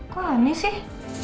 kok aneh sih